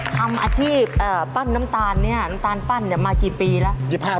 ทำอาชีพปั้นน้ำตาลเนี่ยน้ำตาลปั้นเนี่ยมากี่ปีแล้ว